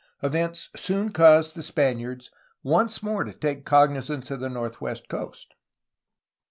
Events soon caused the Spaniards once more to take cognizance of the northwest coast.